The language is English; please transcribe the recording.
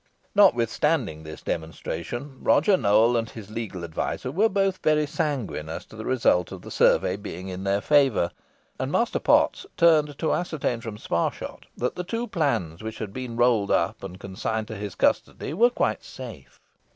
Notwithstanding this demonstration, Roger Nowell and his legal adviser were both very sanguine as to the result of the survey being in their favour, and Master Potts turned to ascertain from Sparshot that the two plans, which had been rolled up and consigned to his custody, were quite safe.